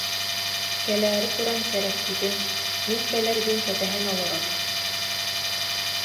Кэлээри туран сэрэппитим, мин кэлэрбин кэтэһэн олорор